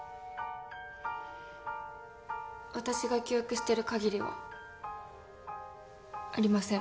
私が記憶してるかぎりはありません。